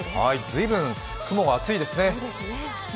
随分、雲が厚いですね。